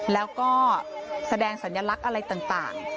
แล้วก็แสดงสัญลักษณ์อะไรต่าง